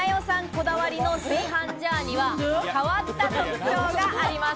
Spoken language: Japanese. こだわりの炊飯ジャーには変わった特徴があります。